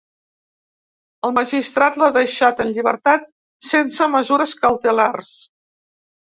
El magistrat l’ha deixat en llibertat sense mesures cautelars.